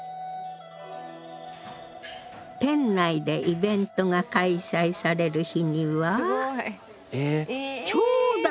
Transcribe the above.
店内でイベントが開催される日には長蛇の列が！